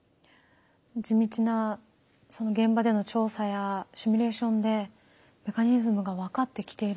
地道なその現場での調査やシミュレーションでメカニズムが分かってきているんですね。